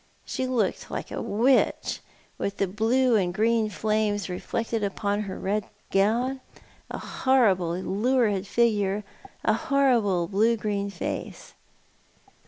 She looked like a witch, with the blue and green flames reflected upon her red gown, a horrible lurid figure, a horrible blue green face.